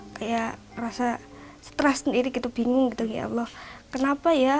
tapi gadgets mereka datang semak buah saya